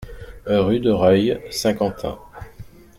Rue de Reuil, Saint-Quentin